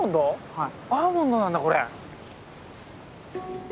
はい。